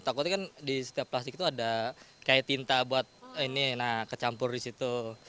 takutnya kan di setiap plastik itu ada kayak tinta buat ini kecampur di situ